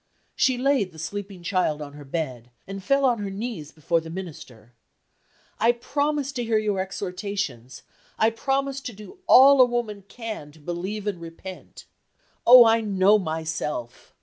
She laid the sleeping child on her bed, and fell on her knees before the Minister: "I promise to hear your exhortations I promise to do all a woman can to believe and repent. Oh, I know myself!